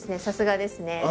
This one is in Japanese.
さすがですね。